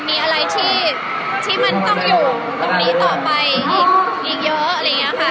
มีอะไรที่มันต้องอยู่ตรงนี้ต่อไปอีกเยอะ